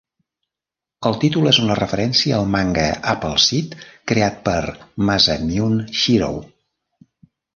El títol és una referència al manga Appleseed creat per Masamune Shirow.